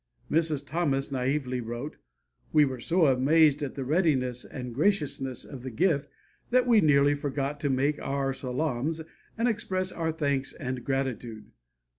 Mrs. Thomas naively wrote: "We were so amazed at the readiness and graciousness of the gift that we nearly forgot to make our salaams and express our thanks and gratitude.